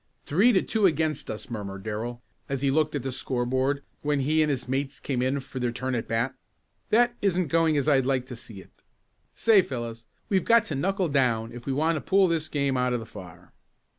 "Three to two against us," murmured Darrell as he looked at the score board when he and his mates came in for their turn at the bat. "That isn't going as I'd like to see it. Say, fellows, we've got to knuckle down if we want to pull this game out of the fire."